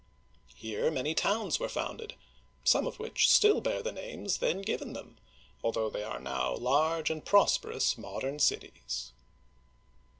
Here many towns were founded, some of which still bear the names then given them, although they are now large and prosperous modern cities.